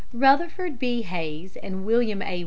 ] Rutherford B. Hayes and William A.